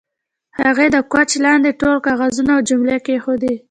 هغې د کوچ لاندې ټول کاغذونه او مجلې کیښودې